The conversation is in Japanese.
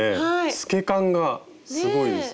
透け感がすごいですね。